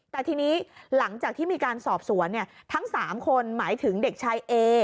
แต่ทีนี้หลังจากที่มีการสอบสวนทั้ง๓คนหมายถึงเด็กชายเอ